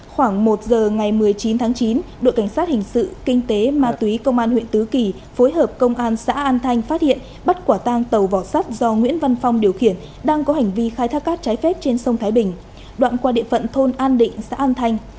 khoảng một giờ ngày một mươi chín tháng chín đội cảnh sát hình sự kinh tế ma túy công an huyện tứ kỳ phối hợp công an xã an thanh phát hiện bắt quả tang tàu vỏ sắt do nguyễn văn phong điều khiển đang có hành vi khai thác cát trái phép trên sông thái bình đoạn qua địa phận thôn an định xã an thanh